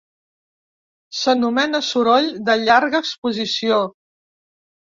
S'anomena soroll de llarga exposició.